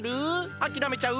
あきらめちゃう？